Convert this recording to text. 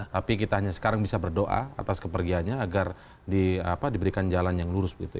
tapi kita hanya sekarang bisa berdoa atas kepergiannya agar diberikan jalan yang lurus begitu